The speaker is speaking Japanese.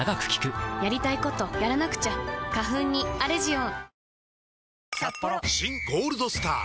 「ワンダ」「新ゴールドスター」！